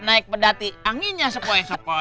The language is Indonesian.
naik pedati anginnya sepoi sepoi